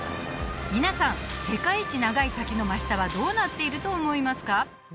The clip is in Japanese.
皆さん世界一長い滝の真下はどうなっていると思いますか？